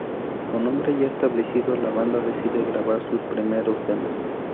Con nombre ya establecido, la banda decide grabar sus primeros demos.